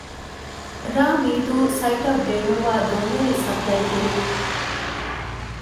ރ.މީދޫ ސައިޓަށް ބޭނުންވާ ދޮންވެލި ސަޕްލައިކުރުން